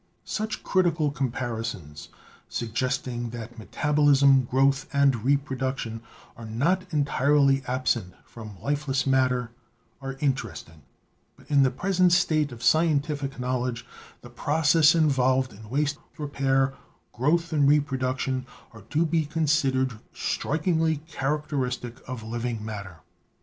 Such critical comparisons suggesting that metabolism, growth and reproduction are not entirely absent from life less matter are interesting, but in the present state of scientific knowledge the processes involved in waste, repair, growth and reproduction are to be considered strikingly characteristic of living matter.